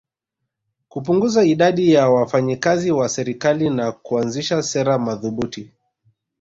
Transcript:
Kupunguza idadi ya wafanyi kazi wa serikali na kuanzisha sera madhubuti